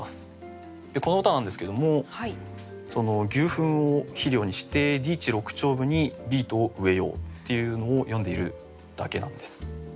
この歌なんですけども牛糞を肥料にしてＤ地六町歩にビートを植えようっていうのを詠んでいるだけなんです。